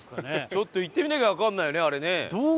ちょっと行ってみなきゃわかんないねあれね。